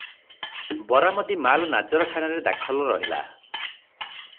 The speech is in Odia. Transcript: ବରାମଦି ମାଲ ନାଜରଖାନାରେ ଦାଖଲ ରହିଲା ।